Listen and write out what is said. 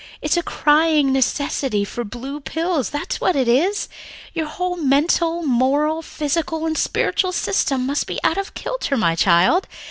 "It's a crying necessity for blue pills, that's what it is. Your whole mental and moral and physical and spiritual system must be out of kilter, my child.